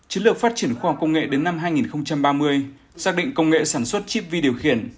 chiến lược phát triển khoa học công nghệ đến năm hai nghìn ba mươi xác định công nghệ sản xuất chip vi điều khiển